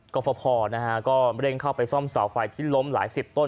กรฟภนะฮะก็เร่งเข้าไปซ่อมเสาไฟที่ล้มหลายสิบต้น